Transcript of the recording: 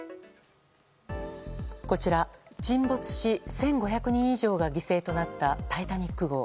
こちら、沈没し１５００人以上が犠牲となった「タイタニック号」。